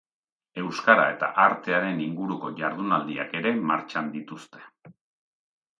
Euskara eta artearen inguruko jardunaldiak ere martxan dituzte.